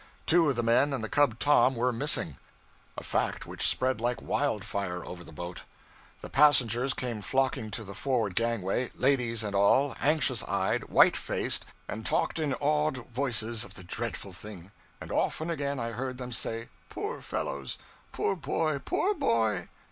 Two of the men and the cub Tom, were missing a fact which spread like wildfire over the boat. The passengers came flocking to the forward gangway, ladies and all, anxious eyed, white faced, and talked in awed voices of the dreadful thing. And often and again I heard them say, 'Poor fellows! poor boy, poor boy!'